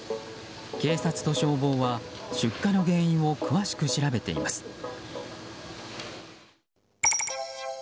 警察と消防は出火の原因を詳しく調べています。